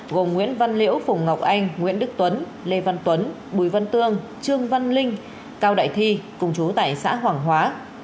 gồm nguyễn văn liễu phùng ngọc anh nguyễn đức tuấn lê văn tuấn bùi văn tương trương văn linh cao đại thi cùng chú tại xã hoàng hóa